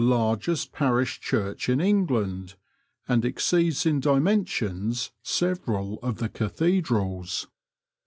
largest parish church in England, and exceeds in dimensions several of the cathedrals.